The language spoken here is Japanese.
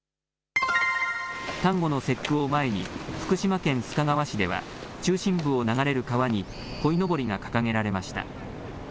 端午の節句を前に福島県須賀川市では中心部を流れる川にこいのぼりが掲げられました。